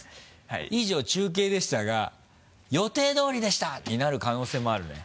以上中継でした」が「予定通りでした！」になる可能性もあるね。